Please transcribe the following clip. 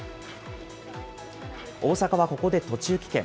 大坂はここで途中棄権。